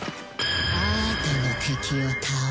あーたの敵を倒して。